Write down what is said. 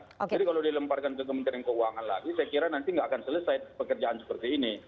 jadi kalau dilemparkan ke kementerian keuangan lagi saya kira nanti tidak akan selesai pekerjaan seperti ini